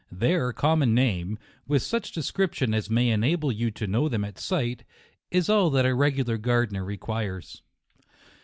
Their common name, with such description as may enable you to know them at sight, is all that a gardener requires.